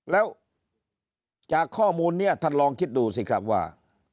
แล้วจากข้อมูลนี้ท่านลองคิดดูสิครับว่า